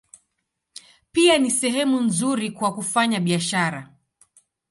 Pia ni sehemu nzuri kwa kufanya biashara.